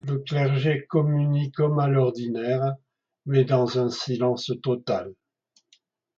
Le clergé communie comme à l'ordinaire, mais dans un silence total.